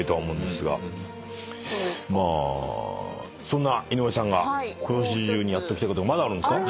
そんな井上さんがことし中にやっておきたいことまだあるんですか？